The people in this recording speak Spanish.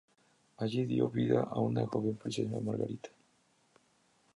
Allí dio vida a una joven princesa Margarita.